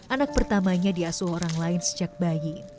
anak pertamanya diasuh orang lain sejak bayi